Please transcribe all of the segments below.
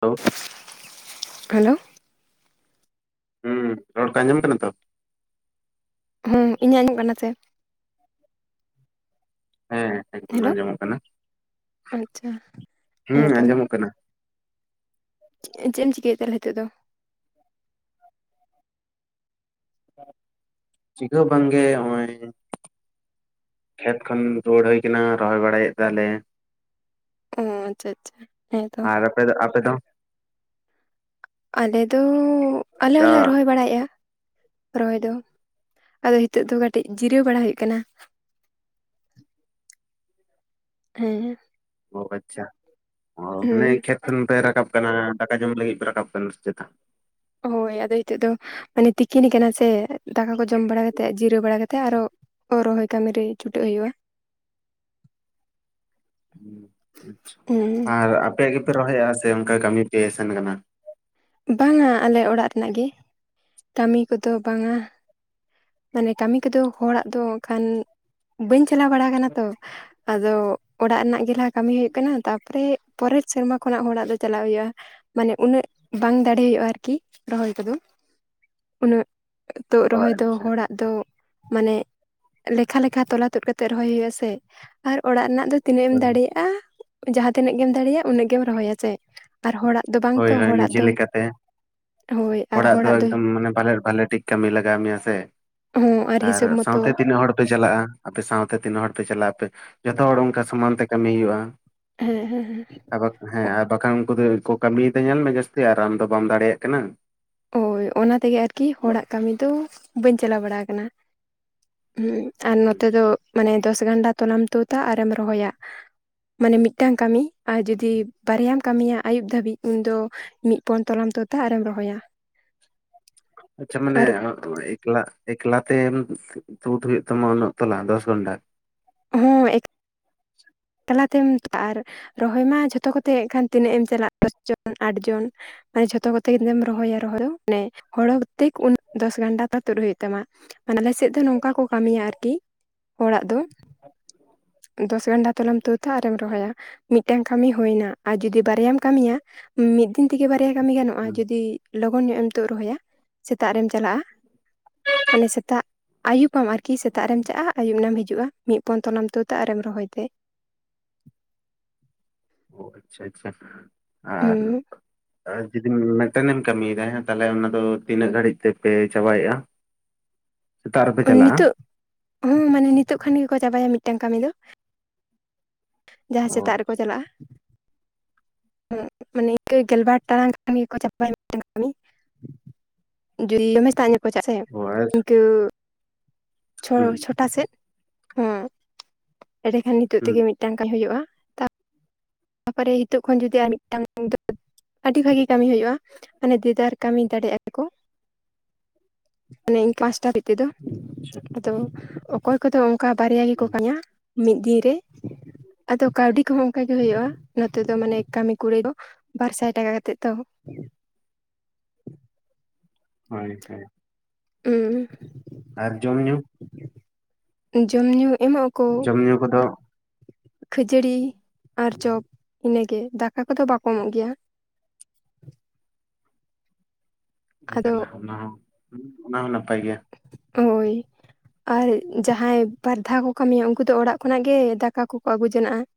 ᱦᱮᱲᱳ, hello, ᱦᱩᱸ, ᱨᱚᱲ ᱠᱚ ᱟᱸᱡᱚᱢ ᱠᱟᱱᱟ ᱛᱚ? ᱦᱮᱸ, ᱤᱧᱟᱹᱜ ᱟᱸᱡᱚᱢᱚᱜ ᱠᱟᱱᱟ ᱥᱮ? ᱦᱮᱸ ᱮᱠᱫᱚᱢ ᱦᱮᱞᱳ ᱟᱸᱡᱚᱢᱚᱜ ᱠᱟᱱᱟ, ᱟᱪᱪᱷᱟ ᱦᱮᱸ ᱦᱮᱸᱛᱚ ᱟᱸᱡᱚᱢᱚᱜ ᱠᱟᱱᱟ᱾ ᱮᱸ ᱪᱮᱫ ᱮᱢ ᱪᱤᱠᱟᱹᱭᱮᱫ ᱛᱟᱦᱮᱞᱮ ᱦᱤᱛᱚᱜ ᱫᱚ? ᱪᱤᱠᱟ ᱦᱚᱸ ᱵᱟᱝ ᱜᱮ ᱦᱚᱸᱜᱼᱚᱭ ᱠᱷᱮᱛ ᱠᱷᱚᱱ ᱨᱩᱣᱟᱹᱲ ᱦᱩᱭ ᱠᱟᱱᱟ ᱨᱚᱦᱚᱭ ᱵᱟᱲᱟᱭᱮᱫ ᱛᱟᱞᱮ ᱾ ᱚᱸ ᱟᱪᱪᱷᱟ ᱟᱪᱪᱷᱟ ᱦᱮᱸ ᱛᱚ ᱾ ᱟᱨ ᱟᱯᱮ ᱫᱚ ᱟᱯᱮ ᱫᱚ? ᱟᱞᱮ ᱫᱚ ᱟᱞᱮ ᱟ ᱦᱚᱸᱞᱮ ᱨᱚᱦᱚᱭ ᱵᱟᱲᱟᱭᱮᱫᱼᱟ ᱾ ᱨᱚᱦᱚᱭ ᱫᱚ ᱟᱫᱚ ᱦᱤᱛᱚᱜ ᱫᱚ ᱠᱟᱹᱴᱤᱡ ᱡᱤᱨᱟᱹᱣ ᱵᱟᱲᱟ ᱦᱩᱭᱩᱜ ᱠᱟᱱᱟ ᱾ ᱦᱮᱸ ᱾ ᱚ ᱟᱪᱪᱷᱟ ᱚ ᱢᱟᱱᱮ ᱦᱮᱸ ᱠᱷᱮᱛ ᱠᱷᱚᱱ ᱯᱮ ᱨᱟᱠᱟᱵ ᱠᱟᱱᱟ, ᱫᱟᱠᱟ ᱡᱚᱢ ᱞᱟᱹᱜᱤᱫ ᱯᱮ ᱨᱟᱠᱟᱵ ᱠᱟᱱᱟ ᱪᱮᱛᱟ? ᱦᱳᱭ ᱟᱫᱚ ᱦᱤᱛᱚᱜ ᱫᱚ ᱢᱟᱱᱮ ᱛᱤᱠᱤᱱ ᱠᱟᱱᱟ ᱥᱮ ᱫᱟᱠᱟ ᱠᱚ ᱡᱚᱢ ᱵᱟᱲᱟ ᱠᱟᱛᱮᱫ ᱡᱤᱨᱟᱹᱣ ᱵᱟᱲᱟ ᱠᱟᱛᱮᱫ ᱟᱨᱚ ᱚ ᱨᱚᱦᱚᱭ ᱠᱟᱹᱢᱤ ᱨᱮ ᱪᱩᱴᱟᱹᱜ ᱦᱩᱭᱩᱜᱼᱟ ᱾ ᱟᱪᱪᱷᱟ ᱦᱮᱸ ᱟᱨ ᱟᱯᱮ ᱜᱮᱯᱮ ᱨᱚᱦᱚᱭᱟ ᱥᱮ ᱚᱱᱠᱟ ᱠᱟᱹᱢᱤ ᱯᱮ ᱥᱮᱱ ᱠᱟᱱᱟ? ᱵᱟᱝᱟ ᱟᱞᱮ ᱚᱲᱟᱜ ᱨᱮᱱᱟᱜ ᱜᱮ, ᱠᱟᱹᱢᱤ ᱠᱚᱫᱚ ᱵᱟᱝᱟ ᱾ ᱢᱟᱱᱮ ᱠᱟᱹᱢᱤ ᱠᱚᱫᱚ ᱦᱚᱲᱟᱜ ᱫᱚ ᱠᱷᱟᱱ, ᱵᱟᱹᱧ ᱪᱟᱞᱟᱣ ᱵᱟᱲᱟ ᱠᱟᱱᱟ ᱛᱚ᱾ ᱟᱫᱚ, ᱚᱲᱟᱜ ᱨᱮᱱᱟᱜ ᱜᱮ ᱞᱟᱦᱟ ᱠᱟᱹᱢᱤ ᱦᱩᱭᱩᱜ ᱠᱟᱱᱟ ᱛᱟᱯᱚᱨᱮ ᱯᱚᱨᱮᱨ ᱥᱮᱨᱢᱟ ᱠᱷᱚᱱᱟᱜ ᱦᱚᱲᱟᱜ ᱫᱚ ᱪᱟᱞᱟᱜ ᱦᱩᱭᱩᱜ-ᱟ᱾ ᱢᱟᱱᱮ ᱩᱱᱟᱹᱜ, ᱵᱟᱝ ᱫᱟᱲᱮ ᱦᱩᱭᱩᱜ-ᱟ ᱟᱨᱠᱤ, ᱨᱚᱦᱚᱭ ᱠᱚᱫᱚ, ᱩᱱᱟᱹᱜᱼᱼ ᱛᱚᱜ ᱚ ᱨᱚᱦᱚᱭ ᱫᱚ, ᱟᱪᱪᱷᱟ ᱦᱚᱲᱟᱜ ᱫᱚ, ᱢᱟᱱᱮᱼᱼ ᱞᱮᱠᱷᱟᱼᱞᱮᱠᱷᱟ ᱛᱚᱞᱟ ᱛᱩᱫ ᱠᱟᱛᱮᱫ ᱨᱚᱦᱚᱭ ᱦᱩᱭᱩᱜ-ᱟ ᱥᱮ, ᱟᱨ ᱚᱲᱟᱜ ᱨᱮᱱᱟᱜ ᱫᱚ ᱛᱤᱱᱟᱹᱜ ᱮᱢ ᱫᱟᱲᱮᱭᱟᱜ-ᱟ᱾ ᱡᱟᱦᱟᱸ ᱛᱤᱱᱟᱹᱜ ᱜᱮᱢ ᱫᱟᱲᱮᱭᱟᱜ-ᱟ ᱩᱱᱟᱹᱜ ᱜᱮᱢ ᱨᱚᱦᱚᱭᱟ ᱪᱮ, ᱟᱨ ᱦᱚᱲᱟᱜ ᱫᱚ ᱵᱟᱝ ᱦᱳᱭ ᱛᱚ ᱦᱳᱭ ᱦᱚᱲᱟᱜᱼᱼ ᱱᱤᱡᱮ ᱞᱮᱠᱟᱛᱮ ᱦᱚᱲᱟᱜ ᱫᱚ ᱮᱠᱫᱚᱢ, ᱢᱟᱱᱮ ᱵᱟᱞᱮᱨ ᱵᱷᱟᱞᱮ ᱴᱷᱤᱠ ᱠᱟᱹᱢᱤ ᱞᱟᱜᱟᱣ ᱢᱮᱭᱟ ᱥᱮ᱾ ᱦᱚᱸ ᱟᱨ, ᱦᱤᱥᱟᱹᱵ ᱢᱚᱛᱚ ᱥᱟᱶᱛᱮ ᱛᱤᱱᱟᱹᱜ ᱦᱚᱲ ᱯᱮ ᱪᱟᱞᱟᱜ-ᱟ, ᱟᱯᱮ ᱥᱟᱶ ᱛᱮ ᱛᱤᱱᱟᱹᱜ ᱦᱚᱲ ᱯᱮ ᱪᱟᱞᱟᱜ-ᱟ ᱟᱯᱮ᱾ ᱡᱷᱚᱛᱚ ᱦᱚᱲ ᱚᱱᱠᱟ ᱥᱚᱢᱟᱱ ᱛᱮ ᱠᱟᱹᱢᱤ ᱦᱩᱭᱩᱜ-ᱟ᱾ ᱦᱮᱸ ᱦᱮᱸ ᱦᱮᱸ ᱟᱜᱚᱛ, ᱦᱮᱸ, ᱟᱨ ᱵᱟᱠᱷᱟᱱ ᱩᱱᱠᱩ ᱫᱚ ᱠᱟᱹᱢᱤᱭ ᱫᱟ ᱡᱟᱹᱥᱛᱤ, ᱟᱨ ᱟᱢ ᱫᱚ ᱵᱟᱢ ᱫᱟᱲᱮᱭᱟᱜ ᱠᱟᱱᱟ? ᱳᱭ, ᱚᱱᱟ ᱛᱮᱜᱮ ᱟᱨᱠᱤ ᱦᱚᱲᱟᱜ ᱠᱟᱹᱢᱤ ᱫᱚ, ᱵᱟᱹᱧ ᱪᱟᱞᱟᱣ ᱵᱟᱲᱟ ᱠᱟᱱᱟ᱾ ᱦᱩᱸ ᱟᱨ ᱱᱚᱛᱮ ᱫᱚ, ᱢᱟᱱᱮ ᱫᱚᱥ ᱜᱟᱸᱰᱟ ᱛᱚᱞᱟᱢ ᱛᱩᱫ ᱫᱟ ᱟᱨᱮᱢ ᱨᱚᱦᱚᱭᱟ᱾ ᱢᱟᱱᱮ ᱢᱤᱫᱴᱟᱝ ᱠᱟᱹᱢᱤ, ᱟᱨ ᱡᱩᱫᱤ ᱵᱟᱨᱭᱟᱢ ᱠᱟᱹᱢᱤᱭᱟ ᱟᱹᱭᱩᱵ ᱫᱷᱟᱹᱵᱤᱡ ᱩᱱ ᱫᱚᱼᱼ ᱢᱤᱫ ᱯᱚᱱ ᱛᱚᱞᱟᱢ ᱛᱩᱛ-ᱟ, ᱟᱨᱮᱢ ᱨᱚᱦᱚᱭᱟ᱾ ᱟᱪᱪᱷᱟ ᱢᱟᱱᱮᱼᱼ ᱟᱨ ᱮᱠᱞᱟ, ᱮᱠᱞᱟ ᱛᱮᱢ, ᱛᱩᱫ ᱦᱩᱭᱩᱜ ᱛᱟᱢᱟ ᱩᱱᱟᱹᱜ ᱛᱚᱞᱟ, ᱫᱚᱥ ᱜᱚᱱᱰᱟ? ᱦᱚᱸ [inaudible] ᱛᱟᱞᱟᱛᱮᱢ ᱟᱨ [unintelligible] ᱨᱚᱦᱚᱭ ᱢᱟ ᱡᱷᱚᱛᱚ ᱠᱚᱛᱮ ᱦᱟᱜ ᱠᱷᱟᱱ ᱛᱤᱱᱟᱹᱜ ᱮᱢ ᱪᱟᱞᱟᱜᱼᱟ ᱫᱚᱥ ᱡᱚᱱ, ᱟᱴ ᱡᱚᱱ, [inaudible] ᱡᱷᱚᱛᱚ ᱠᱚᱛᱮ ᱜᱮᱢ ᱨᱚᱦᱚᱭᱟ ᱨᱚᱦᱚᱭ ᱫᱚ, ᱢᱟᱱᱮ ᱦᱚᱲ ᱦᱚ [unintelligible] ᱫᱚᱥ ᱜᱚᱱᱰᱟ ᱫᱚ ᱛᱩᱫ ᱦᱩᱭᱩᱜ ᱛᱟᱢᱟ᱾ ᱢᱟᱱᱮ ᱟᱞᱮ ᱥᱮᱫ ᱫᱚ ᱱᱚᱝᱠᱟ ᱠᱚ ᱠᱟᱹᱢᱤᱭᱟ ᱟᱨᱠᱤ, ᱦᱚᱲᱟᱜ ᱫᱚ᱾ [inaudible] ᱫᱚᱥ ᱜᱟᱱᱰᱟ ᱛᱚᱞᱟᱢ ᱛᱩᱫᱟ ᱟᱨᱮᱢ ᱨᱚᱦᱚᱭᱟ, ᱢᱤᱫᱴᱮᱱᱼᱼ ᱠᱟᱹᱢᱤ ᱦᱩᱭᱮᱱᱟ, ᱟᱨ ᱡᱩᱫᱤ ᱵᱟᱨᱭᱟᱢ ᱠᱟᱹᱢᱤᱭᱟ, ᱢᱤᱫ ᱫᱤᱱ ᱛᱮᱜᱮ ᱵᱟᱨᱭᱟ ᱠᱟᱹᱢᱤ ᱜᱟᱱᱚᱜᱼᱟ ᱡᱩᱫᱤᱼᱼ ᱞᱚᱜᱚᱱ ᱧᱚᱜ ᱮᱢ ᱛᱩᱫ ᱨᱚᱦᱚᱭᱟ, ᱥᱮᱛᱟᱜ ᱨᱮᱢ ᱪᱟᱞᱟᱜᱼᱟ᱾ ᱢᱟᱱᱮ ᱥᱮᱛᱟᱜ ᱟᱹᱭᱩᱯᱟᱢ ᱟᱨᱠᱤ ᱥᱮᱛᱟᱜ ᱨᱮᱢ ᱪᱟᱞᱟᱜᱼᱟ, ᱟᱹᱭᱩᱵ ᱱᱟᱢ ᱦᱤᱡᱩᱜᱼᱟ᱾ ᱢᱤᱜ ᱯᱚᱱ ᱛᱚᱞᱟᱢ ᱛᱩᱫᱟ ᱟᱨᱮᱢ ᱨᱚᱦᱚᱭ ᱛᱮ ᱚ, ᱟᱪᱪᱷᱟ ᱟᱪᱪᱷᱟ, ᱟᱨ, ᱦᱩᱸ ᱟᱨ ᱡᱩᱫᱤᱢᱼᱼ ᱢᱤᱛᱴᱮᱱ ᱠᱟᱹᱢᱤᱭᱮᱫᱟ ᱦᱮᱸ, ᱛᱟᱦᱚᱞᱮ ᱚᱱᱟ ᱫᱚ ᱛᱤᱱᱟᱹᱜ ᱜᱷᱟᱹᱲᱤᱡ ᱛᱮᱯᱮ ᱪᱟᱵᱟᱭᱮᱜᱫᱼᱟ? ᱱᱤᱛᱚᱜ, ᱦᱚᱸ ᱢᱟᱱᱮ ᱱᱤᱛᱚᱜ ᱠᱷᱟᱱ ᱜᱮᱠᱚ ᱪᱟᱵᱟᱭᱟ ᱢᱤᱫᱴᱟᱝ ᱠᱟᱹᱢᱤ ᱫᱚ᱾ ᱡᱟᱦᱟᱭ ᱚ ᱥᱮᱛᱟᱜ ᱨᱮᱠᱚ ᱪᱟᱞᱟᱜᱼᱟ᱾ ᱦᱩᱸ ᱢᱟᱱᱮ ᱤᱱᱠᱟ ᱜᱮᱞᱵᱟᱨ ᱴᱟᱲᱟᱝ ᱠᱷᱟᱱ ᱜᱮᱠᱚ ᱪᱟᱵᱟᱭᱟ ᱢᱤᱫᱴᱮᱱ ᱠᱟᱹᱢᱤ [unintelligible] ᱡᱩᱫᱤ ᱚ ᱟᱨ [unintelligible] ᱤᱱᱠᱟᱹᱼᱼ ᱦᱩᱸ ᱪᱷᱚᱼᱪᱷᱚᱴᱟ ᱥᱮᱫ, ᱦᱩᱸ ᱮᱸᱲᱮᱠᱷᱟᱱ ᱱᱤᱛᱚᱜ ᱦᱩᱸ ᱛᱮᱜᱮ ᱢᱤᱫᱴᱟᱝ ᱠᱟᱹᱡ ᱦᱩᱭᱩᱜᱼᱟ᱾ ᱛᱟᱯᱚᱨᱮ ᱦᱤᱸᱛᱚᱜ ᱠᱷᱚᱱ ᱡᱩᱫᱤ ᱟᱨ ᱢᱤᱫᱴᱟᱝ [unintelligible] ᱟᱹᱰᱤ ᱵᱷᱟᱜᱤ ᱠᱟᱹᱢᱤ ᱦᱩᱭᱩᱜᱼᱟ, ᱢᱟᱱᱮ ᱫᱤᱫᱟᱨ ᱠᱟᱹᱢᱤ ᱫᱟᱲᱮᱼᱟ ᱠᱚ᱾ [unintelligible] ᱦᱩᱸᱻ ᱟᱪᱪᱷᱟ ᱛᱚ, ᱚᱠᱚᱭ ᱠᱚᱫᱚ ᱚᱱᱠᱟ ᱵᱟᱨᱭᱟ ᱜᱮᱠᱚ ᱠᱟᱹᱢᱤᱭᱟ ᱢᱤᱫ ᱫᱤᱱ ᱨᱮ᱾ ᱟᱫᱚ ᱠᱟᱹᱣᱰᱤ ᱠᱚᱦᱚᱸ ᱚᱱᱠᱟ ᱜᱮ ᱦᱩᱭᱩᱜᱼᱟ᱾ ᱱᱚᱛᱮ ᱫᱚ ᱢᱟᱱᱮ, ᱠᱟᱹᱢᱤ ᱠᱩᱲᱟᱭ ᱫᱚ, ᱵᱟᱨ ᱥᱟᱭ ᱴᱟᱠᱟ ᱠᱟᱛᱮᱜ ᱛᱚ᱾ ᱦᱳᱭᱼᱦᱳᱭ, ᱟᱨ ᱡᱚᱢ ᱧᱩ᱾ ᱡᱚᱢ ᱧᱩ ᱮᱢᱚᱜᱼᱼ ᱡᱚᱢ ᱧᱩ ᱠᱚᱫᱚ? ᱠᱷᱟᱹᱡᱟᱹᱲᱤ ᱟᱨ ᱪᱚᱯ ᱤᱱᱟᱹᱜᱮ ᱫᱟᱠᱟ ᱠᱚᱫᱚ ᱵᱟᱠᱚ ᱮᱢᱚᱜ ᱜᱮᱭᱟ ᱾ ᱚ ᱟᱫᱚ ᱡᱟᱞᱟ ᱚᱱᱟ ᱦᱚᱸ ᱚᱱᱟ ᱦᱚᱸ ᱱᱟᱯᱟᱭ ᱜᱮᱭᱟ ᱾ ᱦᱳᱭ ᱾ ᱟᱨ ᱡᱟᱦᱟᱸᱭ ᱵᱟᱨ ᱫᱷᱟᱣ ᱠᱚ ᱠᱟᱹᱢᱤᱭᱟ ᱩᱱᱠᱩ ᱫᱚ ᱚᱲᱟᱜ ᱠᱷᱚᱱᱟᱜ ᱜᱮ ᱫᱟᱠᱟ ᱠᱚᱠᱚ ᱟᱹᱜᱩ ᱡᱚᱱᱟᱜᱼᱟ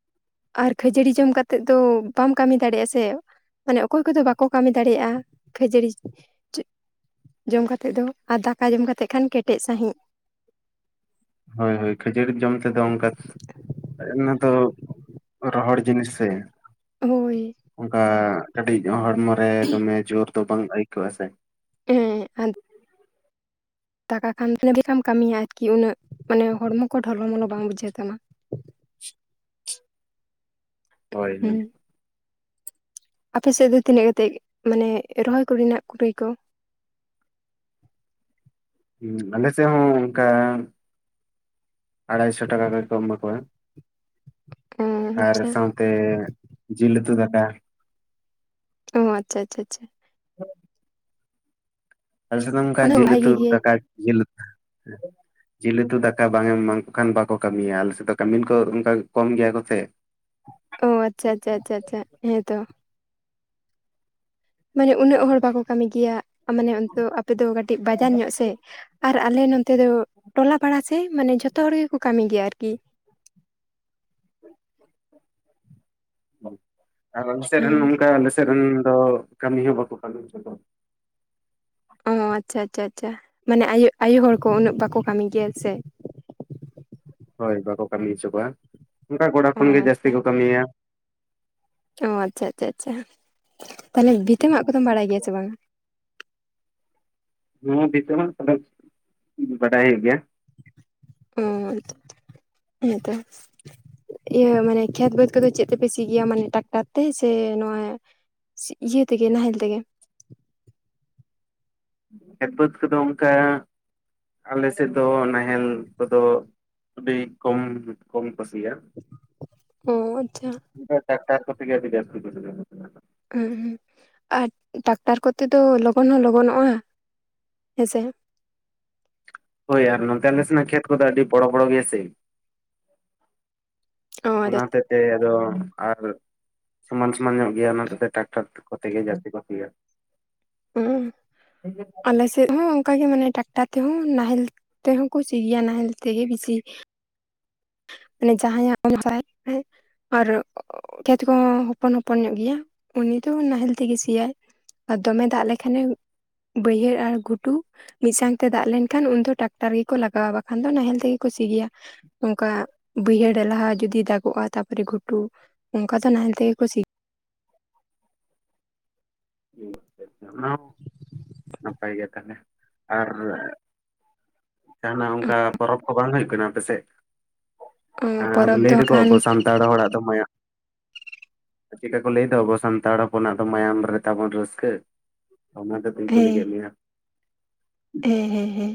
᱾ ᱟᱨ ᱠᱷᱟᱹᱡᱟᱹᱲᱤ ᱡᱚᱢ ᱠᱟᱛᱮᱫ ᱫᱚ ᱵᱟᱢ ᱠᱟᱹᱢᱤ ᱫᱟᱲᱮᱟ ᱥᱮ ᱾ ᱢᱟᱱᱮ ᱚᱠᱚᱭ ᱠᱚᱫᱚ ᱵᱟᱠᱚ ᱠᱟᱹᱢᱤ ᱫᱟᱲᱮᱭᱟᱜᱼᱟ, ᱠᱷᱟᱹᱡᱟᱹᱲᱤ ᱡ ᱡᱚᱢ ᱠᱟᱛᱮᱫ ᱫᱚ ᱾ ᱟᱨ ᱫᱟᱠᱟ ᱡᱚᱢ ᱠᱟᱛᱮᱫ ᱠᱷᱟᱱ ᱠᱮᱴᱮᱡ ᱥᱟᱸᱦᱤᱡ ᱾ ᱦᱳᱭ ᱦᱳᱭ ᱠᱷᱟᱹᱡᱟᱹᱲᱤ ᱡᱚᱢ ᱛᱮᱫᱚ ᱚᱱᱠᱟ ᱚᱱᱟ ᱫᱚ ᱨᱚᱦᱚᱲ ᱡᱤᱱᱤᱥ ᱥᱮ ᱦᱳᱭ ᱚᱱᱠᱟ ᱠᱟᱹᱴᱤᱡ ᱦᱚᱲᱢᱚ ᱨᱮ ᱫᱚᱢᱮ ᱡᱳᱨ ᱫᱚ ᱵᱟᱝ ᱟᱹᱭᱠᱟᱹᱜᱼᱟ ᱥᱮ ᱦᱮᱸ ᱦᱟᱱ ᱫᱟᱠᱟ ᱠᱷᱟᱱ [unintelligible] ᱠᱟᱹᱢᱤᱭᱟ ᱟᱨᱠᱤ ᱩᱱᱟᱹᱜ ᱢᱟᱱᱮ ᱦᱚᱲᱢᱚ ᱠᱚ ᱰᱷᱚᱞᱚ ᱢᱚᱞᱚ ᱵᱟᱝ ᱵᱩᱡᱷᱟᱹᱜ ᱛᱟᱢᱟ ᱾ ᱦᱳᱭ ᱦᱳᱭ ᱾ ᱟᱯᱮᱥᱮᱫ ᱫᱚ ᱛᱤᱱᱟᱹᱜ ᱠᱟᱛᱮ ᱢᱟᱱᱮ ᱨᱚᱦᱚᱭ ᱠᱚᱨᱮᱱᱟᱜ ᱠᱩᱲᱟᱹᱭ ᱠᱚ? ᱦᱩᱸ ᱟᱞᱮ ᱥᱮᱫ ᱦᱚᱸ ᱚᱱᱠᱟ ᱟᱲᱟᱭᱥᱚ ᱴᱟᱠᱟ ᱜᱟᱱ ᱠᱚ ᱮᱢᱟ ᱠᱚᱣᱟ ᱚ ᱟᱨ ᱟᱪᱪᱷᱟ ᱥᱟᱶᱛᱮ ᱮᱸ ᱡᱤᱞ ᱩᱛᱩ ᱫᱟᱠᱟ ᱾ ᱚ ᱟᱪᱪᱷᱟ ᱟᱪᱪᱷᱟ ᱟᱪᱪᱷᱟ ᱾ [unintelligible] ᱟᱞᱮ ᱥᱮᱫ ᱫᱚ ᱚᱱᱠᱟ ᱚᱱᱟ ᱡᱤᱞ ᱩᱛᱩ ᱵᱷᱟᱜᱤ ᱜᱮ ᱫᱟᱠᱟ ᱡᱤᱞ ᱩᱛᱩ ᱡᱤᱞ ᱩᱛᱩ ᱫᱟᱠᱟ ᱵᱟᱝ ᱮᱢ ᱮᱢᱟᱠᱚ ᱠᱷᱟᱱ ᱵᱟᱠᱚ ᱠᱟᱹᱢᱤᱭᱟ ᱟᱞᱮᱥᱮᱫ ᱫᱚ ᱠᱟᱹᱢᱤᱱ ᱠᱚ ᱚᱱᱠᱟ ᱠᱚᱢ ᱜᱮᱭᱟ ᱠᱚᱥᱮ ᱾ ᱚ ᱟᱪᱪᱷᱟ ᱟᱪᱪᱷᱟ ᱟᱪᱪᱷᱟ ᱟᱪᱪᱷᱟ ᱦᱮᱸ ᱛᱚ ᱾ ᱢᱟᱱᱮ ᱩᱱᱟᱹᱜ ᱦᱚᱲ ᱵᱟᱠᱚ ᱠᱟᱹᱢᱤ ᱜᱮᱭᱟ ᱢᱟᱱᱮ ᱚᱱᱛᱮ ᱟᱯᱮ ᱫᱚ ᱠᱟᱹᱴᱤᱡ ᱵᱟᱡᱟᱨ ᱧᱚᱜ ᱥᱮ ᱟᱨ ᱟᱞᱮ ᱱᱚᱛᱮ ᱫᱚ ᱴᱚᱞᱟ ᱯᱟᱲᱟ ᱥᱮ ᱢᱟᱱᱮ ᱡᱚᱛᱚ ᱦᱚᱲ ᱜᱮᱠᱚ ᱠᱟᱹᱢᱤ ᱜᱮᱭᱟ ᱟᱨᱠᱤ ᱟᱨ ᱟᱞᱮ ᱥᱮᱫ ᱦᱮᱸ ᱨᱮᱱ ᱚᱱᱠᱟ ᱥᱮᱫ ᱨᱮᱱ ᱫᱚ ᱠᱟᱹᱢᱤ ᱦᱚᱸ ᱵᱟᱠᱚ ᱠᱟᱹᱢᱤ ᱦᱚᱪᱚ ᱠᱚᱣᱟ ᱾ ᱚ ᱟᱪᱪᱷᱟ ᱟᱪᱪᱷᱟ ᱟᱪᱪᱷᱟ ᱢᱟᱱᱮ ᱟᱭ ᱟᱭᱚ ᱦᱚᱲ ᱠᱚ ᱩᱱᱟᱹᱜ ᱵᱟᱠᱚ ᱠᱟᱹᱢᱤ ᱜᱮᱭᱟ ᱥᱮ ᱾ ᱦᱳᱭ ᱵᱟᱠᱚ ᱠᱟᱹᱢᱤ ᱦᱚᱪᱚ ᱠᱚᱣᱟ ᱚᱱᱠᱟ ᱠᱚᱲᱟ ᱚ ᱦᱚᱯᱟᱱ ᱜᱮ ᱡᱟᱹᱥᱛᱤ ᱟᱪᱪᱷᱟ ᱠᱚ ᱠᱟᱹᱢᱤᱭᱟ ᱾ ᱚ ᱟᱪᱪᱷᱟ ᱟᱪᱪᱷᱟ ᱟᱪᱪᱷᱟ, ᱛᱟᱦᱚᱞᱮ ᱵᱷᱤᱛᱟᱹ ᱢᱟᱜ ᱠᱚᱫᱚᱢ ᱵᱟᱲᱟᱭ ᱜᱮᱭᱟ ᱥᱮ ᱵᱟᱝ? ᱦᱚᱸ ᱵᱷᱤᱛᱟᱹ ᱢᱟᱜ ᱠᱚᱫᱚᱧ ᱵᱟᱰᱟᱭ ᱜᱮᱭᱟ ᱾ ᱚᱸ ᱦᱮᱸᱛᱚ ᱤᱭᱟᱹ ᱢᱟᱱᱮ ᱠᱷᱮᱛ ᱵᱟᱹᱛ ᱠᱚᱫᱚ ᱪᱮᱫ ᱛᱮᱯᱮ ᱥᱤ ᱜᱮᱭᱟ ᱢᱟᱱᱮ ᱴᱟᱠᱴᱟᱨ ᱛᱮ ᱥᱮ ᱱᱚᱣᱟ ᱤᱭᱟᱹ ᱛᱮᱜᱮ ᱱᱟᱦᱮᱞ ᱛᱮᱜᱮ? ᱠᱷᱮᱛ ᱵᱟ. ᱫ ᱠᱚᱫᱚ ᱚᱱᱠᱟ ᱟᱞᱮᱥᱮᱫ ᱫᱚ ᱱᱟᱦᱮᱞ ᱠᱚᱫᱚ ᱟᱹᱰᱤ ᱠᱚᱢ ᱠᱚᱢᱠᱩᱥᱤᱭᱟ ᱾ ᱚ ᱟᱪᱪᱷᱟ ᱾ ᱚᱱᱠᱟ ᱴᱟᱠᱴᱟᱨ ᱠᱚᱛᱮ ᱜᱮ ᱟᱹᱰᱤ ᱡᱟᱹᱥᱛᱤ ᱠᱚ ᱥᱤᱭᱟ ᱾ ᱦᱩ ᱦᱩ ᱟᱨ ᱴᱟᱠᱴᱟᱨ ᱠᱚᱛᱮ ᱫᱚ ᱞᱚᱜᱚᱱ ᱦᱚᱸ ᱞᱚᱜᱚᱱᱚᱜᱼᱟ ᱾ ᱦᱮᱸᱥᱮ ᱾ ᱦᱳᱭ ᱟᱨ ᱱᱚᱛᱮ ᱟᱞᱮᱥᱱᱟᱜ ᱠᱷᱮᱛ ᱠᱚᱫᱚ ᱟᱹᱰᱤ ᱵᱚᱲᱚ ᱵᱚᱲᱚ ᱜᱮᱭᱟ ᱥᱮ, ᱚ ᱚᱱᱟ ᱦᱚᱛᱮᱛ ᱛᱮ ᱟᱫᱚ ᱟᱨ ᱥᱚᱢᱟᱱ ᱥᱚᱢᱟᱱ ᱧᱚᱜ ᱜᱮᱭᱟ ᱚᱱᱟ ᱠᱚᱛᱮ ᱴᱨᱟᱠᱴᱟᱨ ᱠᱚᱛᱮ ᱜᱮ ᱡᱟᱹᱥᱛᱤ ᱠᱚ ᱥᱤᱭᱟ ᱾ ᱚᱸ ᱟᱞᱮᱥ ᱥᱮᱫ ᱦᱚᱸ ᱚᱱᱠᱟ ᱜᱮ ᱢᱟᱱᱮ ᱴᱨᱟᱠᱴᱟᱨ ᱛᱮᱦᱚᱸ ᱱᱟᱦᱮᱞ ᱛᱮᱦᱚᱸ ᱠᱚ ᱥᱤᱜᱮᱭᱟ ᱱᱟᱦᱮᱞ ᱛᱮᱜᱮ ᱵᱤᱥᱤ ᱢᱟᱱᱮ ᱡᱟᱦᱟᱸᱭᱟᱜ [unintelligible] ᱟᱨ ᱠᱷᱮᱛ ᱠᱚᱦᱚᱸ ᱦᱚᱯᱚᱱ ᱦᱚᱯᱚᱱ ᱧᱚᱜ ᱜᱮᱭᱟ, ᱩᱱᱤ ᱫᱚ ᱱᱟᱦᱮᱞ ᱛᱮᱜᱮ ᱥᱤᱭᱟᱭ᱾ ᱟᱨ ᱫᱚᱢᱮ ᱫᱟᱜ ᱞᱮᱠᱷᱟᱱᱮ ᱵᱟᱹᱭᱦᱟᱹᱲ ᱟᱨ ᱜᱷᱩᱴᱩ ᱢᱤᱫ ᱥᱟᱶᱛᱮ ᱫᱟᱜ ᱞᱮᱱᱠᱷᱟᱱ ᱩᱱ ᱫᱚ ᱴᱟᱠᱴᱟᱨ ᱜᱮᱠᱚ ᱞᱟᱜᱟᱣᱟ, ᱵᱟᱠᱷᱟᱱ ᱫᱚ ᱱᱟᱦᱮᱞ ᱛᱮᱜᱮ ᱠᱚ ᱥᱤ ᱜᱮᱭᱟ᱾ ᱚᱱᱠᱟ ᱵᱟᱹᱭᱦᱟᱹᱲ ᱞᱟᱦᱟ ᱡᱩᱫᱤ ᱫᱟᱜᱚᱜᱼᱟ, ᱛᱟᱯᱚᱨᱮ ᱜᱷᱩᱴᱩ ᱚᱱᱠᱟ ᱫᱚ ᱱᱟᱦᱮᱞ ᱛᱮᱜᱮ ᱠᱚ ᱥᱤ [unintelligible] ᱱᱟᱯᱟᱭ ᱜᱮ ᱛᱟᱦᱚᱞᱮ, ᱟᱨ ᱡᱟᱦᱟᱱᱟᱜ ᱚᱱᱠᱟ ᱯᱚᱨᱚᱵᱽ ᱠᱚ ᱵᱟᱝ ᱦᱩᱭᱩᱜ ᱠᱟᱱᱟ ᱟᱯᱮ ᱥᱮᱫ? ᱚ ᱦᱮᱸ ᱯᱚᱨᱚᱵᱽ ᱞᱟᱹᱭ ᱫᱚ ᱦᱟᱸᱜ ᱫᱚᱠᱚ ᱠᱷᱟᱱ ᱟᱵᱚ ᱥᱟᱱᱛᱟᱲ ᱦᱚᱲᱟᱜ ᱫᱚ ᱢᱟᱭᱟᱢ [inaudible] ᱪᱮᱠᱟ ᱠᱚ ᱞᱟᱹᱭ ᱫᱚ, ᱟᱵᱚ ᱥᱟᱱᱛᱟᱲ ᱦᱚᱯᱚᱱᱟᱜ ᱫᱚ ᱢᱟᱭᱟᱢ ᱨᱮ ᱛᱟᱵᱚᱱ ᱨᱟᱹᱥᱠᱟᱹ ᱚᱱᱟᱛᱮ ᱵᱟᱹᱧ ᱠᱩᱞᱤ ᱠᱮᱜ ᱢᱮᱭᱟ᱾ ᱦᱮ ᱦᱮ ᱦᱮ,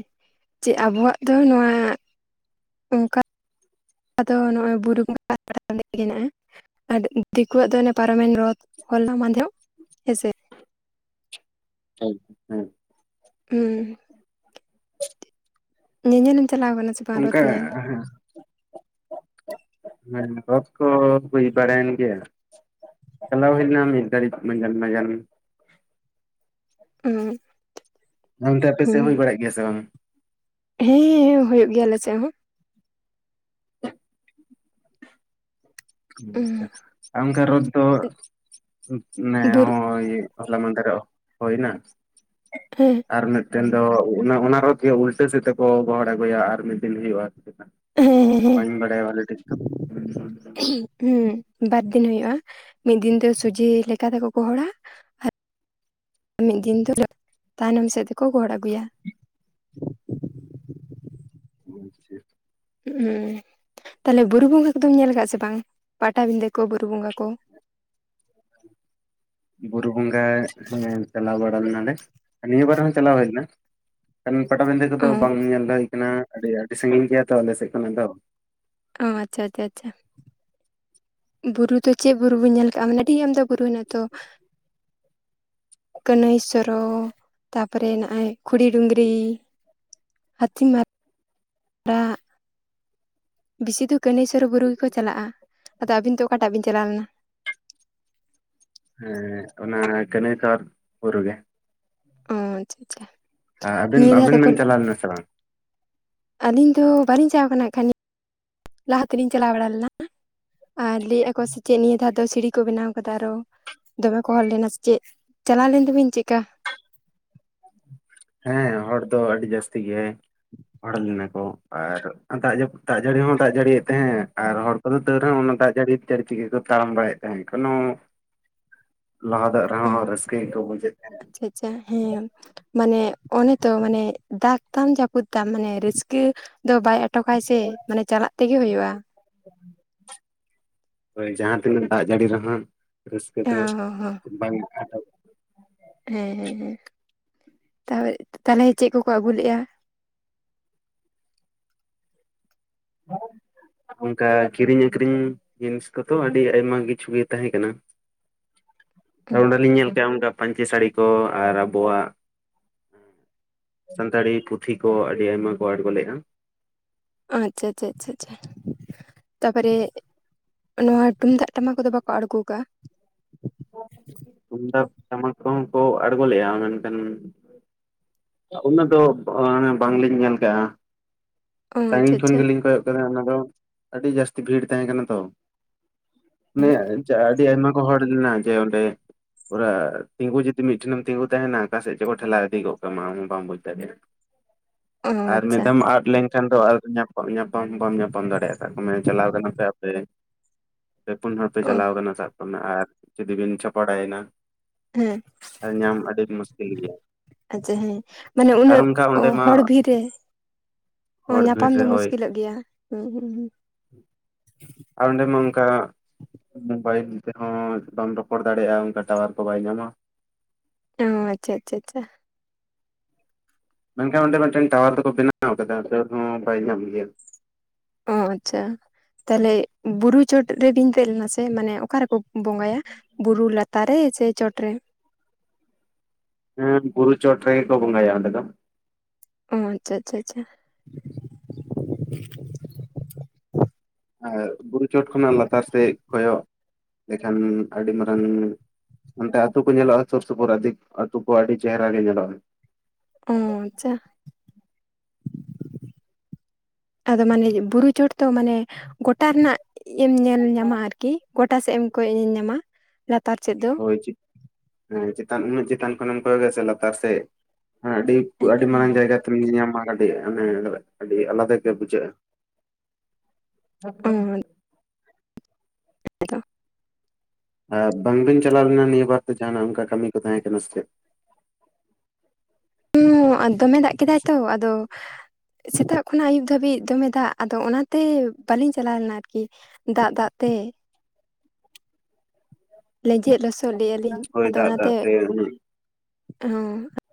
ᱪᱮᱫ ᱟᱵᱚᱣᱟᱜ ᱫᱚ ᱱᱚᱣᱟ ᱚᱱᱠᱟ ᱫᱚ ᱱᱚᱜᱼᱚᱭ ᱵᱩᱨᱩ ᱵᱚᱸᱜᱟ [unintelligible] ᱟᱨ ᱫᱤᱠᱩᱣᱟᱜ ᱫᱚ ᱚᱱᱮ ᱯᱟᱨᱚᱢᱮᱱ ᱨᱚᱛ ᱦᱚᱞᱟ ᱢᱟᱫᱷᱮᱨᱚᱜ ᱦᱮᱸᱥᱮ᱾ ᱦᱮᱸ᱾ ᱦᱩᱸᱻ᱾ ᱧᱮᱧᱮᱞ ᱮᱢ ᱪᱟᱞᱟᱣ ᱠᱟᱱᱟ ᱥᱮ ᱵᱟᱝ ᱨᱚᱛ ᱚᱱᱠᱟ ᱦᱮ ᱧᱮᱞ ᱦᱮᱸ ᱨᱚᱛ ᱠᱚ ᱦᱩᱭ ᱵᱟᱲᱟᱭᱮᱱ ᱜᱮᱭᱟ᱾ ᱪᱟᱞᱟᱣ ᱦᱩᱭ ᱞᱮᱱᱟ ᱢᱤᱫ ᱜᱷᱟᱲᱤᱡ ᱢᱟᱡᱟᱱ ᱢᱟᱡᱟᱱ᱾ ᱚᱸ᱾ ᱚᱱᱛᱮ ᱟᱯᱮ ᱥᱮᱫ ᱦᱩᱭ ᱵᱟᱲᱟᱜ ᱜᱮᱭᱟ ᱥᱮ ᱵᱟᱝ? ᱦᱮᱸ ᱦᱳᱭᱳᱜ ᱜᱮᱭᱟ ᱟᱞᱮ ᱥᱮᱫ ᱦᱚᱸ᱾ ᱦᱚᱸ ᱟᱪᱪᱷᱟ ᱚᱱᱠᱟ ᱨᱚᱛ ᱫᱚ ᱢᱟᱱᱮ ᱵᱩᱨᱩ ᱦᱚᱸᱜᱼᱚᱭ ᱦᱚᱞᱟ ᱢᱟᱫᱷᱮᱨᱚᱜ ᱦᱳᱭᱮᱱᱟ ᱾ ᱦᱮᱸ᱾ ᱟᱨ ᱢᱮᱫᱴᱮᱱ ᱫᱚ ᱚᱱᱟ ᱨᱚᱛ ᱜᱮ ᱩᱞᱴᱟᱹ ᱥᱮᱫ ᱛᱮᱠᱚ ᱜᱚᱦᱚᱲ ᱟᱜᱩᱭᱟ ᱟᱨ ᱢᱤᱫ ᱫᱤᱱ ᱦᱩᱭᱩᱜᱼᱟ ᱪᱮᱛᱟ᱾ ᱦᱮᱸ ᱦᱮᱸ ᱵᱟᱹᱧ ᱵᱟᱰᱟᱭᱟ ᱵᱷᱟᱞᱮ ᱴᱷᱤᱠ ᱫᱚ᱾ ᱦᱩᱸ ᱵᱟᱨ ᱫᱤᱱ ᱦᱩᱭᱩᱜᱼᱟ, ᱢᱤᱫ ᱫᱤᱱ ᱫᱚ ᱥᱩᱡᱮ ᱞᱮᱠᱟ ᱛᱮᱠᱚ ᱜᱚᱦᱚᱲᱟ ᱟᱨ ᱢᱤᱫ ᱫᱤᱱ ᱫᱚ ᱛᱟᱭᱱᱚᱢ ᱥᱮᱫ ᱛᱮᱠᱚ ᱜᱚᱦᱚᱲ ᱟᱜᱩᱭᱟ ᱾ ᱟᱪᱪᱷᱟ ᱾ ᱩᱸ ᱛᱟᱦᱞᱮ ᱵᱩᱨᱩ ᱵᱚᱸᱜᱟ ᱠᱚᱫᱚᱢ ᱧᱮᱞ ᱠᱟᱜᱼᱟ ᱥᱮ ᱵᱟᱝ? ᱯᱟᱴᱟᱵᱤᱸᱫᱟᱹ ᱠᱚ ᱵᱩᱨᱩ ᱵᱚᱸᱜᱟ ᱠᱚ? [inaudible] ᱵᱩᱨᱩ ᱵᱚᱸᱜᱟ ᱦᱮᱸ ᱪᱟᱞᱟᱣ ᱵᱟᱲᱟ ᱞᱮᱱᱟᱞᱮ, ᱱᱤᱭᱟᱹ ᱵᱟᱨ ᱦᱚᱸ ᱪᱟᱞᱟᱣ ᱦᱩᱭ ᱞᱮᱱᱟ ᱾ ᱠᱷᱟᱱ ᱯᱟᱴᱟᱵᱤᱸᱫᱟᱹ ᱚ ᱠᱚᱫᱚ ᱵᱟᱝ ᱧᱮᱞ ᱫᱚ ᱦᱩᱭ ᱠᱟᱱᱟ, ᱟᱹᱰᱤ ᱟᱹᱰᱤ ᱥᱟᱺᱜᱤᱧ ᱜᱮᱭᱟ ᱛᱚ ᱟᱞᱮ ᱥᱮᱫ ᱠᱷᱚᱱᱟᱜ ᱫᱚ᱾ ᱚ ᱟᱪᱪᱷᱟ ᱟᱪᱪᱷᱟ ᱟᱪᱪᱷᱟ᱾ ᱵᱩᱨᱩ ᱫᱚ ᱪᱮᱫ ᱵᱩᱨᱩ ᱵᱮᱱ ᱧᱮᱞ ᱠᱟᱜᱼᱟ? ᱢᱟᱱᱮ ᱟᱹᱰᱤ ᱟᱢᱫᱟ ᱵᱩᱨᱩ ᱦᱮᱱᱟ ᱛᱚ᱾ ᱠᱟᱹᱱᱟᱹᱭ ᱥᱚᱨᱚ ᱛᱟᱯᱚᱨᱮ ᱱᱟᱜᱼᱟᱭ ᱠᱷᱩᱲᱤ ᱰᱩᱝᱨᱤ᱾ ᱦᱟᱹᱛᱤᱢᱟ ᱨᱟᱜ ᱵᱤᱥᱤ ᱫᱚ ᱠᱟᱹᱱᱟᱹᱭ ᱥᱚᱨᱚ ᱵᱩᱨᱩ ᱜᱮᱠᱚ ᱪᱟᱞᱟᱜᱼᱟ᱾ ᱟᱫᱚ ᱟᱵᱤᱱ ᱫᱚ ᱚᱠᱟᱴᱟᱜ ᱵᱤᱱ ᱪᱟᱞᱟᱣ ᱞᱮᱱᱟ? ᱦᱮᱸ ᱚᱱᱟ ᱠᱟᱹᱱᱟᱹᱭ ᱥᱚᱨ ᱵᱩᱨᱩ ᱜᱮ ᱾ ᱚᱸ ᱪᱷᱟ ᱪᱷᱟ᱾ ᱟ ᱟᱵᱤᱱ ᱟᱵᱤᱱ ᱵᱤᱱ ᱪᱟᱞᱟᱣ ᱞᱮᱱᱟ ᱥᱮ ᱵᱟᱝ? ᱟᱹᱞᱤᱧ ᱫᱚ ᱵᱟᱹᱞᱤᱧ ᱪᱟᱣ ᱠᱟᱱᱟ ᱠᱷᱟᱡ, ᱞᱟᱦᱟ ᱛᱮᱞᱤᱧ ᱪᱟᱞᱟᱣ ᱵᱟᱲᱟ ᱞᱮᱱᱟ᱾ ᱟᱨ ᱞᱟᱹᱭᱮᱜ-ᱟ ᱠᱚ ᱥᱮ ᱪᱮᱫ ᱱᱤᱭᱟᱹ ᱫᱷᱟᱣ ᱛᱚ ᱥᱤᱲᱤ ᱠᱚ ᱵᱮᱱᱟᱣ ᱠᱟᱫᱟ ᱟᱨᱚ ᱫᱚᱢᱮ ᱠᱚ ᱦᱚᱲ ᱞᱮᱱᱟ ᱥᱮ ᱪᱮᱫ ᱪᱟᱞᱟᱣ ᱞᱮᱱ ᱫᱚᱵᱤᱱ ᱪᱮᱜᱠᱟ? ᱦᱮᱸ, ᱦᱚᱲ ᱫᱚ ᱟᱹᱰᱤ ᱡᱟᱹᱥᱛᱤ ᱜᱮ ᱦᱚᱲ ᱞᱮᱱᱟ ᱠᱚ ᱾ ᱟᱨ ᱫᱟᱜ ᱡᱟᱹᱯᱩᱫ ᱫᱟᱜ ᱡᱟᱹᱲᱤ ᱦᱚᱸ ᱫᱟᱜ ᱡᱟᱹᱲᱤᱭᱮᱫ ᱛᱟᱦᱮᱸ ᱟᱨ ᱦᱚᱲ ᱠᱚᱫᱚ ᱛᱟᱹᱣ ᱨᱮᱦᱚᱸ ᱚᱱᱟ ᱫᱟᱜ ᱡᱟᱲᱤ ᱪᱟᱹᱲᱤ ᱛᱮᱜᱮ ᱠᱚ ᱛᱟᱲᱟᱢ ᱵᱟᱲᱟᱭᱮᱜ ᱛᱟᱦᱮᱸ ᱠᱚᱱᱚ [inaudible] ᱞᱟᱦᱟᱫᱟᱜ ᱨᱮᱦᱚᱸ ᱨᱟᱹᱥᱠᱟᱹ ᱜᱮᱠᱚ ᱵᱩᱡᱮᱜ ᱛᱟᱦᱮᱸ ᱾ ᱪᱟ ᱦᱮᱸ, ᱢᱟᱱᱮ ᱚᱱᱮ ᱛᱚ ᱢᱟᱱᱮ ᱫᱟᱜᱽ ᱛᱟᱢ ᱡᱟᱹᱯᱩᱫ ᱛᱟᱢ ᱢᱟᱱᱮ ᱨᱟᱹᱥᱠᱟᱹ ᱫᱚ ᱵᱟᱭ ᱟᱴᱚᱠᱟᱭ ᱥᱮ, ᱢᱟᱱᱮ ᱪᱟᱞᱟᱜ ᱛᱮᱜᱮ ᱦᱳᱭᱳᱜᱼᱟ ᱾ ᱦᱳᱭ, ᱡᱟᱦᱟᱸ ᱛᱤᱱᱟᱹᱜ ᱫᱟᱜ ᱡᱟᱹᱲᱤ ᱨᱮᱦᱚᱸ ᱨᱟᱹᱥᱠᱟᱹ ᱫᱚ ᱦᱚᱸ ᱦᱚᱸ ᱵᱟᱝ ᱟᱰᱚᱜ ᱦᱮᱸ, ᱦᱮᱸ, ᱦᱮᱸ, ᱛᱟᱦᱮ ᱛᱟᱦᱚᱞᱮ ᱪᱮᱫ ᱠᱚᱠᱚ ᱟᱹᱜᱩ ᱞᱮᱜᱼᱟ? [inaudible] ᱚᱝᱠᱟ ᱠᱤᱨᱤᱧ ᱟᱹᱷᱨᱤᱧ ᱡᱤᱱᱤᱥ ᱠᱚᱛᱚ ᱟᱹᱰᱤ ᱟᱭᱢᱟ ᱠᱤᱪᱷᱩ ᱜᱮ ᱛᱟᱦᱮᱸ ᱠᱟᱱᱟ ᱾ [inaudible] ᱟ ᱚᱸᱰᱮᱞᱤᱧ ᱧᱮᱞ ᱠᱮᱜ ᱚᱝᱠᱟ ᱯᱟᱹᱧᱪᱤ ᱥᱟᱹᱲᱤ ᱠᱚ ᱟᱨ ᱟᱵᱚᱣᱟᱜ ᱥᱟᱱᱛᱟᱲᱤ ᱯᱩᱛᱷᱤ ᱠᱚ ᱟᱹᱰᱤ ᱟᱭᱢᱟ ᱠᱚ ᱟᱬᱜᱚ ᱞᱮᱜ-ᱟ ᱾ ᱟᱪᱪᱷᱟ ᱟᱪᱪᱷᱟ ᱟᱪᱷᱟ! ᱛᱟᱯᱚᱨᱮ ᱱᱚᱣᱟ ᱴᱩᱢᱫᱟᱜ ᱴᱟᱢᱟᱠ ᱠᱚᱫᱚ ᱵᱟᱠᱚ ᱟᱲᱜᱳ ᱠᱟᱜ-ᱟ? ᱛᱩᱢᱫᱟᱵ ᱴᱟᱢᱟᱠ ᱠᱚᱦᱚᱸ ᱠᱚ ᱟᱬᱜᱚ ᱞᱮᱜ-ᱟ, ᱢᱮᱱᱠᱷᱟᱱ ᱩᱱᱟᱹᱜ ᱫᱚ ᱚᱱᱮ ᱵᱟᱝᱞᱤᱧ ᱧᱮᱞ ᱠᱟᱜ-ᱟ, ᱚ ᱟᱪᱪᱷᱟ ᱥᱟᱺᱜᱤᱧ ᱠᱷᱚᱱ ᱟᱪᱪᱷᱟ ᱜᱮᱞᱤᱧ ᱠᱚᱭᱚᱜ ᱠᱟᱫᱟ ᱚᱱᱟ ᱫᱚ ᱟᱹᱰᱤ ᱡᱟᱹᱥᱛᱤ ᱵᱷᱤᱲ ᱛᱟᱦᱮᱸ ᱠᱟᱱᱟ ᱛᱚ, [unintelligible] ᱪᱟᱜ ᱟᱹᱰᱤ ᱟᱭᱢᱟ ᱠᱚ ᱦᱚᱲ ᱞᱮᱱᱟ ᱡᱮ ᱚᱸᱰᱮ ᱯᱩᱨᱟ ᱛᱤᱝᱜᱩ ᱡᱩᱫᱤ ᱢᱤᱫ ᱴᱮᱱᱮᱢ ᱛᱤᱝᱜᱩ ᱛᱟᱦᱮᱱᱟ ᱟᱠᱟ ᱥᱮᱫ ᱪᱚᱠᱚ ᱠᱷᱮᱞᱟᱣ ᱤᱫᱤ ᱜᱚᱜ ᱠᱟᱢᱟ ᱟᱢ ᱦᱚᱸ ᱵᱟᱢ ᱵᱩᱡᱽ ᱫᱟᱲᱮᱭᱟᱜ-ᱟ, ᱚ ᱟᱨ ᱢᱤᱫ ᱟᱪᱪᱷᱟ ᱫᱷᱟᱣᱢ ᱟᱫ ᱞᱮᱝᱠᱷᱟᱱ ᱫᱚ ᱟᱨ ᱧᱟᱢ ᱧᱟᱯᱟᱢ ᱦᱚ ᱵᱟᱢ ᱧᱟᱯᱟᱢ ᱫᱟᱲᱮᱭᱟᱜ-ᱟ ᱥᱟᱠ ᱠᱟᱜ ᱢᱮ ᱪᱟᱞᱟᱣ ᱠᱟᱱᱟ ᱯᱮ ᱟᱯᱮ ᱯᱮ ᱯᱩᱱ ᱦᱚᱲᱯᱮ ᱚ ᱪᱟᱞᱟᱣ ᱠᱟᱱᱟ ᱥᱟᱵ ᱠᱟᱜ ᱢᱮ ᱟᱨ ᱡᱩᱫᱤ ᱵᱤᱱ ᱪᱷᱟᱯᱚᱲᱰᱟ ᱭᱮᱱᱟ ᱦᱮᱸ ᱾ ᱟᱨ ᱧᱟᱢ ᱟᱹᱰᱤ ᱢᱩᱥᱠᱤᱞ ᱜᱮᱭᱟ ᱾ ᱟᱪᱪᱷᱟ ᱦᱮᱸ, ᱢᱟᱱᱮ ᱩᱱᱟᱹᱜ ᱚᱸᱰᱮ ᱢᱟ ᱦᱚᱲ ᱵᱷᱤᱨ ᱨᱮ ᱚᱸ ᱦᱚᱲ ᱵᱷᱤᱲ ᱧᱟᱯᱟᱢ ᱫᱚ ᱨᱮ ᱦᱳᱭ ᱢᱩᱥᱠᱤᱞᱚ ᱜᱮᱭᱟ, ᱦᱩᱸ ᱦᱩᱸ ᱦᱩᱸ ᱾ ᱟᱨ ᱚᱸᱰᱮ ᱢᱟ ᱚᱝᱠᱟ ᱢᱳᱵᱟᱭᱤᱞ ᱛᱮᱦᱚᱸ ᱵᱟᱢ ᱨᱚᱯᱚᱲ ᱫᱟᱲᱮᱭᱟᱜᱼᱟ ᱚᱱᱠᱟ ᱴᱟᱣᱟᱨ ᱠᱚ ᱵᱟᱭ ᱧᱟᱢᱟ ᱾ ᱚᱻ ᱟᱪᱪᱷᱟ ᱟᱪᱷᱟ ᱟᱪᱷᱟ ᱾ ᱢᱮᱱᱠᱷᱟᱱ ᱚᱸᱰᱮ ᱢᱮᱫᱴᱮᱱ ᱴᱟᱣᱟᱨ ᱫᱚᱠᱚ ᱵᱮᱱᱟᱣ ᱠᱟᱫᱟ ᱛᱟᱹᱣ ᱨᱮᱦᱚᱸ ᱵᱟᱭ ᱧᱟᱢ ᱜᱮᱭᱟ ᱾ ᱚ ᱟᱪᱪᱷᱟ, ᱛᱟᱦᱚᱞᱮ ᱵᱩᱨᱩ ᱪᱚᱴ [unintelligible] ᱫᱮᱡ ᱞᱮᱱᱟ ᱥᱮ ᱢᱟᱱᱮ ᱚᱠᱟ ᱨᱮᱠᱚ ᱵᱚᱸᱜᱟᱭᱟ, ᱵᱩᱨᱩ ᱞᱟᱛᱟᱨ ᱨᱮ ᱪᱮ ᱪᱚᱴ ᱨᱮ? ᱦᱮᱸ, ᱠᱩᱨᱩ ᱪᱚᱴ ᱨᱮᱜᱮ ᱠᱚᱸ ᱵᱚᱸᱜᱟᱭᱟ ᱚᱱᱰᱮ ᱫᱚ ᱾ ᱚ, ᱟᱪᱪᱷᱟ ᱟᱪᱪᱷᱟ ᱟᱪᱪᱷᱟ ᱾ ᱟᱨ ᱵᱩᱨᱩ ᱪᱚᱴ ᱠᱷᱚᱱᱟᱜ ᱞᱟᱛᱟᱨ ᱥᱮᱫ ᱠᱚᱭᱚᱜ ᱞᱮᱠᱷᱟᱱ ᱟᱹᱰᱤ ᱢᱟᱨᱟᱝ ᱚᱱᱛᱮ ᱟᱹᱛᱩ ᱠᱚ ᱧᱮᱞᱚᱜᱼᱟ ᱥᱩᱨ ᱥᱩᱯᱩᱨ ᱟᱹᱫᱤ ᱟᱹᱛᱩ ᱠᱚ ᱟᱹᱰᱤ ᱪᱮᱦᱨᱟ ᱜᱮ ᱧᱮᱞᱚᱜᱼᱟ ᱾ ᱚ ᱟᱪᱪᱷᱟ ᱾ ᱟᱫᱚ ᱢᱟᱱᱮ ᱵᱩᱨᱩ ᱪᱚᱴ ᱛᱚ ᱢᱟᱱᱮ ᱜᱚᱴᱟ ᱨᱮᱱᱟᱜ ᱮᱢ ᱧᱮᱞ ᱧᱟᱢᱟ ᱟᱨᱠᱤ ᱾ ᱜᱚᱴᱟ ᱥᱮᱜ ᱮᱢ ᱠᱚᱭᱚᱜ ᱧᱮᱞᱧᱟᱢᱟ, ᱞᱟᱛᱟᱨ ᱥᱮᱫ ᱫᱚ ᱦᱳᱭ ᱪᱤ ᱮᱸ ᱪᱮᱛᱟᱱ ᱩᱱᱟᱹᱜ ᱪᱮᱛᱟᱱ ᱠᱷᱚᱱᱮᱢ ᱠᱚᱭᱚᱜᱼᱟ ᱥᱮ ᱞᱟᱛᱟᱨ ᱥᱮᱫ ᱦᱮᱸ ᱟᱹᱰᱤ ᱠᱩ ᱟᱹᱰᱤ ᱢᱟᱨᱟᱝ ᱡᱟᱭᱜᱟ ᱛᱮᱢ ᱧᱮᱧᱟᱢᱟ ᱟᱹᱰᱤ ᱚᱱᱮ ᱟᱹᱰᱤ ᱟᱞᱟᱫᱟ ᱜᱮ ᱵᱩᱡᱷᱟᱹᱜᱼᱟ ᱾ [unintelligible] [unintelligible] ᱟ ᱵᱟᱝ ᱵᱤᱱ ᱪᱟᱞᱟᱣ ᱞᱮᱱᱟ ᱱᱤᱭᱟᱹ ᱵᱟᱨ ᱫᱚ ᱡᱟᱦᱱᱟᱜ ᱚᱱᱠᱟ ᱠᱟᱹᱢᱤ ᱠᱚ ᱛᱟᱦᱮᱸ ᱠᱟᱱᱟ ᱥᱮᱪᱮᱫ? ᱦ ᱟᱫᱚ ᱫᱚᱢᱮ ᱫᱟᱜ ᱠᱮᱫᱟᱭ ᱛᱚ ᱟᱫᱚ ᱥᱮᱛᱟᱜ ᱠᱷᱚᱱᱟᱜ ᱟᱹᱭᱩᱵ ᱫᱷᱟᱹᱵᱤᱡ ᱫᱚᱢᱮ ᱫᱟᱜ ᱟᱫᱚ ᱚᱱᱟᱛᱮ ᱵᱟᱹᱞᱤᱧ ᱪᱟᱞᱟᱣ ᱞᱮᱱᱟ ᱟᱨᱠᱤ ᱾ ᱫᱟᱜ ᱫᱟᱜ ᱛᱮ ᱾ ᱞᱮᱸᱡᱮᱫ ᱞᱚᱥᱚᱫ ᱞᱮᱼᱟ ᱞᱤᱧ ᱦᱳᱭ ᱟᱫᱚ ᱫᱟᱜ ᱚᱱᱟᱛᱮ, ᱫᱟᱜ ᱛᱮ ᱩᱱᱟᱹᱜ ᱚ